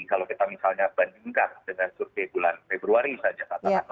kalau kita misalnya bandingkan dengan survei bulan februari saja